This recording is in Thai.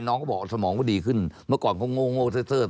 น้องก็บอกสมองก็ดีขึ้นเมื่อก่อนก็โง่เซิด